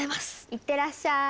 いってらっしゃい！